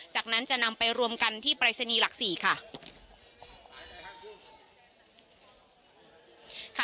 จากนั้นจะนำไปรวมกันที่ปรายศนีย์หลัก๔ค่ะ